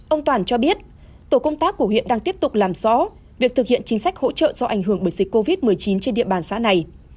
ông toàn cho biết tổ công tác của huyện đang tiếp tục làm rõ việc thực hiện chính sách hỗ trợ do ảnh hưởng bởi dịch covid một mươi chín trên địa bàn xã này